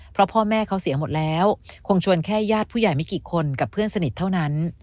เพราะพ่อแม่เขาเสียหมดแล้วคงชวนแค่ญาติผู้ใหญ่ไม่กี่คนกับเพื่อนสนิทเท่านั้น